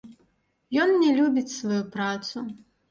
Ён не любіць сваю працу.